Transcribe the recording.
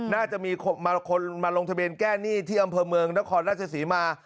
น่าจะมีคนมาลงทะเบียนแก้หนี้ที่อำเภอเมืองนครราชศรีมา